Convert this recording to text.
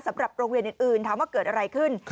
สำหรับโรงเรียนอื่นถามว่าเกิดอะไรขึ้น